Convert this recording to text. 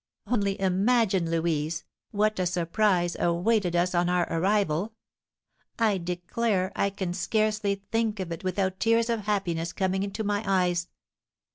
Only imagine, Louise, what a surprise awaited us on our arrival! I declare I can scarcely think of it without tears of happiness coming into my eyes.